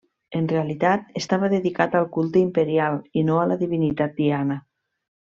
En realitat estava dedicat al culte imperial i no a la divinitat Diana.